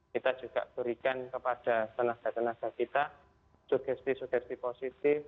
kita juga berikan kepada tenaga tenaga kita sugesti sugesti positif